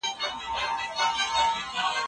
دا شبکه ډېره خوندي ده.